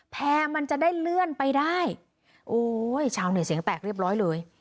แพร่มันจะได้เลื่อนไปได้โอ้ยชาวเน็ตเสียงแตกเรียบร้อยเลย